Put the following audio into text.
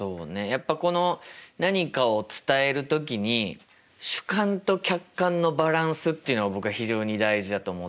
やっぱこの何かを伝える時に主観と客観のバランスっていうのが僕は非常に大事だと思ってて。